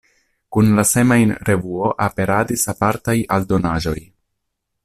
Kun la semajn-revuo aperadis apartaj aldonaĵoj.